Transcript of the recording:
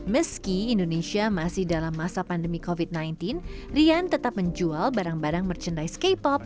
meski indonesia masih dalam masa pandemi covid sembilan belas rian tetap menjual barang barang merchandise k pop